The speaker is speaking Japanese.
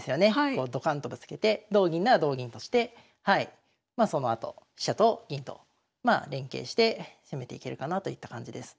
こうドカンとぶつけて同銀なら同銀としてまあそのあと飛車と銀と連係して攻めていけるかなといった感じです。